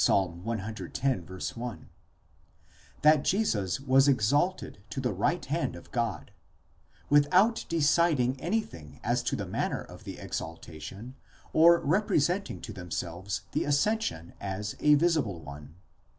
cx. τ : that Jesus was exalted to the right hand of God ; without deciding anything as to the manner of the exaltation, or representing to themselves the ascension as a visible one.